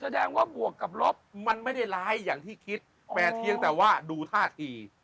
แสดงว่าบวกกับลบมันไม่ได้ร้ายอย่างที่คิดแต่เพียงแต่ว่าดูท่าที